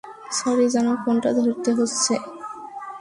Sorry জানু, ফোনটা ধরতে হচ্ছে।